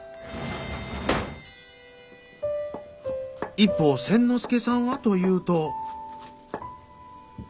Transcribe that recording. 一方千之助さんはというと。